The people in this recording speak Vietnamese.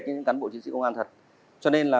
như cán bộ chính sĩ công an thật cho nên là